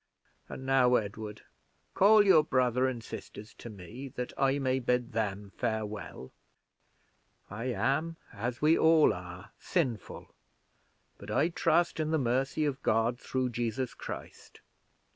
And now, Edward, call your brother and sisters to me, that I may bid them farewell. I am, as we all are, sinful, but I trust in the mercy of God through Jesus Christ.